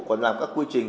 còn làm các quy trình